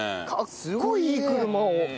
すごいいい車を。